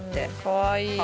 かわいい。